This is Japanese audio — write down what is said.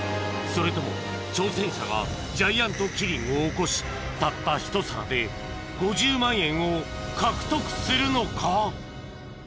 それとも挑戦者がジャイアントキリングを起こしたった一皿で５０万円を獲得するのか！？